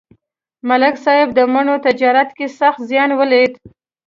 ملک صاحب د مڼو تجارت کې سخت زیان ولید.